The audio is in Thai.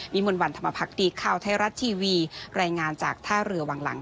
มนต์วันธรรมพักดีข่าวไทยรัฐทีวีรายงานจากท่าเรือวังหลัง